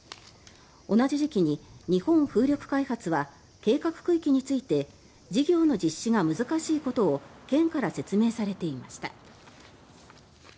同じ時期に日本風力開発は計画区域について事業の実施が難しいことを県から説明されていました。